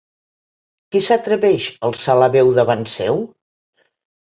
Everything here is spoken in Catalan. Qui s'atreveix a alçar la veu davant seu?